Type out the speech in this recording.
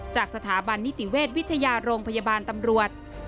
จากสถาบันนิติเวชวิทยาโรงพยาบาลตำรวจ